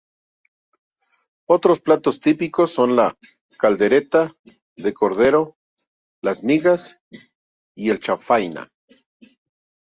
Otros platos típicos son la caldereta de cordero, las migas y la chanfaina.